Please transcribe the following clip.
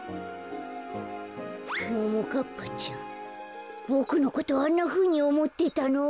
ももかっぱちゃんボクのことあんなふうにおもってたの？